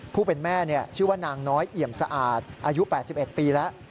ผู้เป็นแม่ชื่อว่านางน้อยเอี่ยมสะอาดอายุ๘๑ปีแล้ว